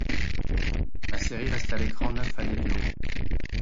La série reste à l’écran neuf années durant.